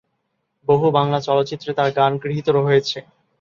বহু বাংলা চলচ্চিত্রে তার গান গৃহীত হয়েছে।